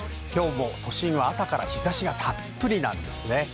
今日も朝から日差しがたっぷりなんですね。